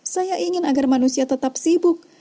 saya ingin agar manusia tetap sibuk